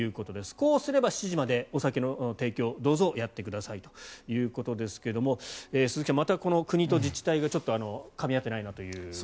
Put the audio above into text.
こうすれば７時までお酒の提供どうぞやってくださいということですけども鈴木さん、また国と自治体がかみ合ってないなという。